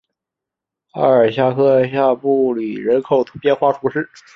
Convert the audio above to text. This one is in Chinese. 阿尔夏克下布里人口变化图示